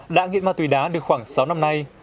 đã nghiện ma túy đá được khoảng sáu năm nay